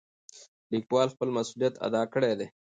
لیکوال خپل مسؤلیت ادا کړی دی.